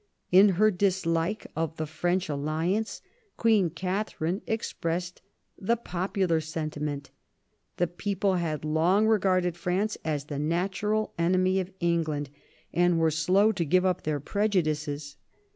In her dislike of the French alliance Queen Katharine expressed the popular senti ment. The people had long regarded France as the natural enemy of England, and were slow to give up their prejudices.